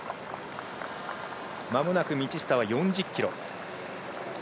まもなく道下は４０ｋｍ。